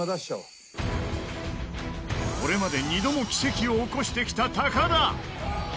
これまで２度も奇跡を起こしてきた高田。